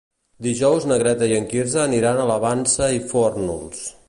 Dijous na Greta i en Quirze aniran a la Vansa i Fórnols.